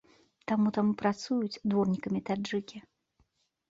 Таму там і працуюць дворнікамі таджыкі.